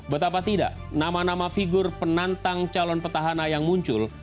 betapa tidak nama nama figur penantang calon petahana yang muncul